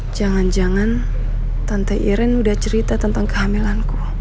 jangan jangan tante iran udah cerita tentang kehamilanku